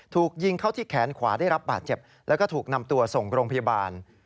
ถูกยิงเข้าที่แขนขวาได้รับบาดเจ็บแล้วก็ถูกนำตัวส่งโรงพยาบาล